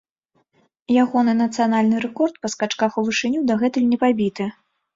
Ягоны нацыянальны рэкорд па скачках у вышыню дагэтуль не пабіты.